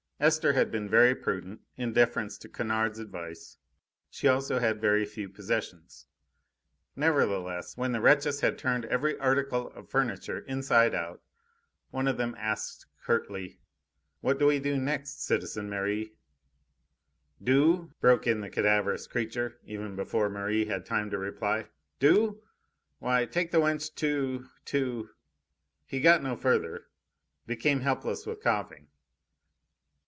Esther had been very prudent in deference to Kennard's advice; she also had very few possessions. Nevertheless, when the wretches had turned every article of furniture inside out, one of them asked curtly: "What do we do next, citizen Merri?" "Do?" broke in the cadaverous creature, even before Merri had time to reply. "Do? Why, take the wench to to " He got no further, became helpless with coughing.